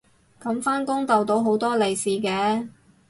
噉返工逗到好多利是嘅